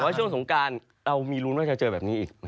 แต่ว่าช่วงสงการเรามีลุ้นว่าจะเจอแบบนี้อีก